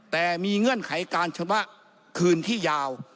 แต่มีเงื่อนไขการชำระคืนที่ยาว